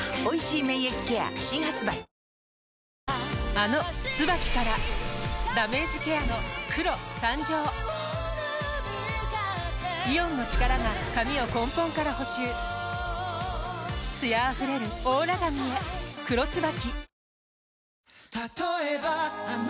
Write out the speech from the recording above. あの「ＴＳＵＢＡＫＩ」からダメージケアの黒誕生イオンの力が髪を根本から補修艶あふれるオーラ髪へ「黒ＴＳＵＢＡＫＩ」